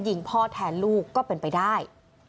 ยิงพ่อแทนลูกก็เป็นไปได้